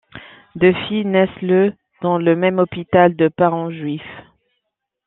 Deux filles naissent le dans le même hôpital de parents juifs.